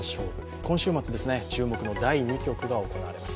今週末、注目の第２局が行われます。